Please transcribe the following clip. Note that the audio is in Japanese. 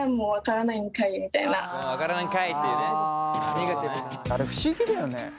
あれ不思議だよね。